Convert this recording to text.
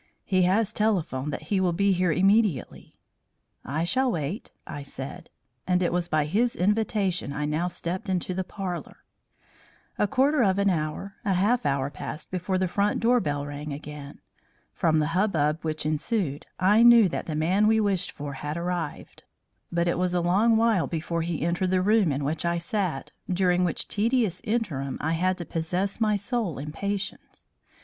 "He has telephoned that he will be here immediately." "I shall wait," I said. And it was by his invitation I now stepped into the parlour. A quarter of an hour, a half hour, passed before the front door bell rang again. From the hubbub which ensued, I knew that the man we wished for had arrived, but it was a long while before he entered the room in which I sat, during which tedious interim I had to possess my soul in patience.